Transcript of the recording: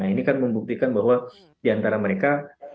ini membuktikan bahwa diantara mereka